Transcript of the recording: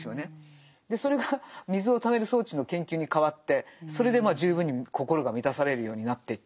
それが水をためる装置の研究に変わってそれで十分に心が満たされるようになっていってしまった。